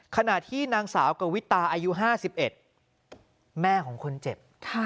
ขณะที่นางสาวกวิตาอายุ๕๑แม่ของคนเจ็บ